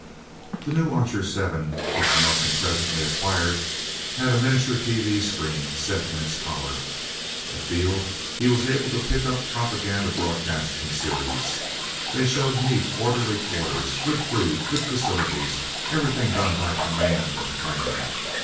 The new Archer Seven which Nelsen presently acquired, had a miniature TV screen set in its collar. Afield, he was able to pick up propaganda broadcasts from Ceres. They showed neat, orderly quarters, good food, good facilities, everything done by command and plan.